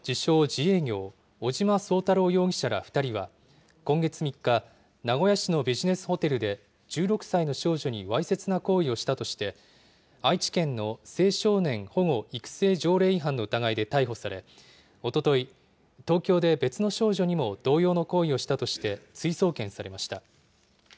自営業の尾島壮太郎容疑者ら２人は今月３日、名古屋市のビジネスホテルで１６歳の少女にわいせつな行為をしたとして、愛知県の青少年保護育成条例違反の疑いで逮捕され、おととい、東京で別の少女にも同様の行為をしたとして、追送検されました。